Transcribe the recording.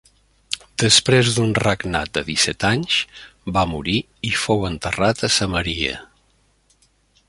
Després d'un regnat de disset anys, va morir i fou enterrat a Samaria.